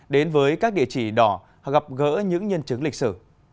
đến với các địa chỉ đỏ gặp gỡ những nhân chứng lịch sử